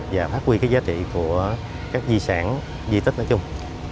và phát huy giá trị của các di sản di tích nói chung